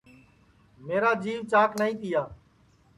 میرا جِیوَ چاک نائی تِیا